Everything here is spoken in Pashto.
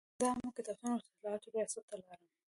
د عامه کتابتون او اطلاعاتو ریاست ته لاړم.